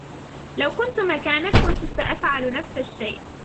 لو كنتُ مكانك, كنتُ سأفعل نفس الشئ؟